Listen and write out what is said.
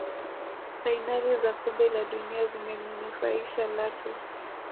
fainali za kombe la dunia zilimunufaisha Lato